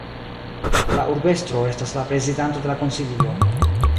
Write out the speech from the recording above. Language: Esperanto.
La urbestro estas la prezidanto de la konsilio.